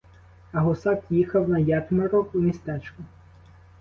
А гусак їхав на ярмарок у містечко.